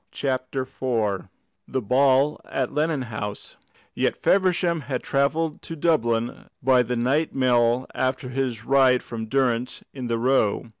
CHAPTER IV THE BALL AT LENNON HOUSE Yet Feversham had travelled to Dublin by the night mail after his ride with Durrance in the Row.